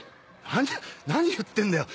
何何言ってんだよ。